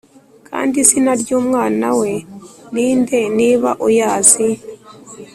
kandi izina ry’umwana we ni nde niba uyazi’